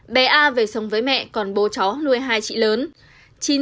bé a về sống với mẹ còn bố cháu nuôi hai chị lớn